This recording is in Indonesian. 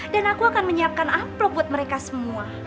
dan aku akan menyiapkan aplok buat mereka semua